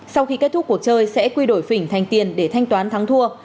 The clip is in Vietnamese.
sau khi kết thúc cuộc chơi sẽ quy đổi phỉnh thành tiền để thanh toán thắng thua